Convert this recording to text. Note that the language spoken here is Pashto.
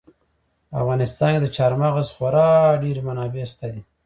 په افغانستان کې د چار مغز خورا ډېرې منابع شته دي.